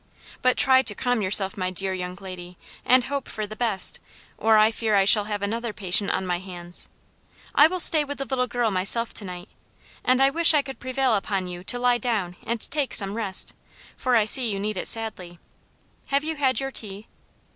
But try to calm yourself, my dear young lady, and hope for the best, or I fear I shall have another patient on my hands. I will stay with the little girl myself to night, and I wish I could prevail upon you to lie down and take some rest, for I see you need it sadly. Have you had your tea?"